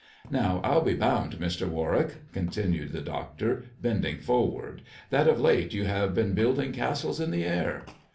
Now, I'll r* be bound, Mr. Warwick," continued the doctor, bending ? forward, " that of late you have been building castles in the air."